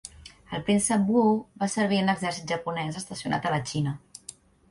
El Príncep Wu va servir en l'exèrcit japonès estacionat a la Xina.